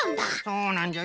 そうなんじゃ。